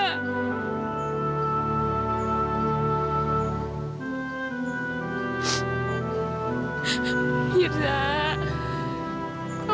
kamu dengerin aku ya